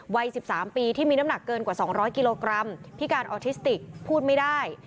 วัย๑๓ปีที่มีน้ำหนักเกินกว่า๒๐๐กิโลกรัมพิการออทิสติกพูดไม่ได้